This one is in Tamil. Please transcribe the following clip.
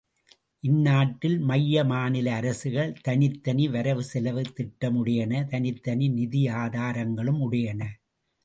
இந்நாட்டில் மைய மாநில அரசுகள் தனித்தனி வரவு செலவுத் திட்டமுடையன தனித்தனி நிதி ஆதாரங்களும் உடையன.